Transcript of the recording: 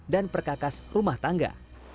dan perkakas rumah tangga